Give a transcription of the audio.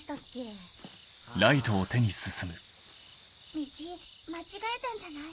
道間違えたんじゃない？